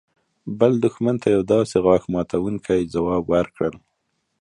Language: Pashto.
بل دښمن ته يو داسې غاښ ماتونکى ځواب ورکړل.